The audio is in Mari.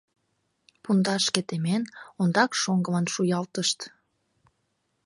Пундашке темен, ондак шоҥгылан шуялтышт.